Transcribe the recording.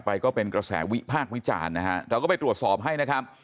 ก็เป็นกระแสวิพากษ์วิจารณ์นะฮะเราก็ไปตรวจสอบให้นะครับ